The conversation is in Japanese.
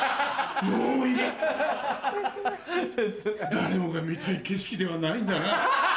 誰もが見たい景色ではないんだな。